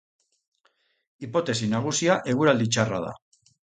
Hipotesi nagusia eguraldi txarra da.